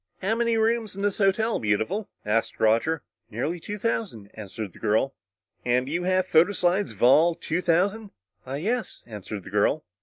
"How many rooms in this hotel, Beautiful?" asked Roger. "Nearly two thousand," answered the girl. "And you have photo slides of all two thousand?" "Why, yes," answered the girl.